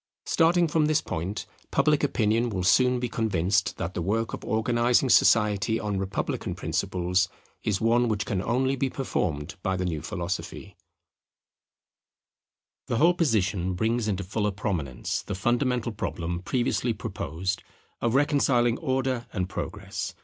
Starting from this point, public opinion will soon be convinced that the work of organizing society on republican principles is one which can only be performed by the new philosophy. [It gives prominence to the problem of reconciling Order and Progress] The whole position brings into fuller prominence the fundamental problem previously proposed, of reconciling Order and Progress.